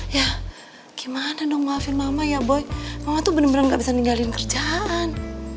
ya gimana dong maafin mama ya boy mama tuh bener bener gak bisa ninggalin kerjaan